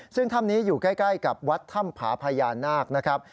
ซึ่งถ้ำนี้อยู่ใกล้กับวัดถ้ำผาพญานาคนะครับ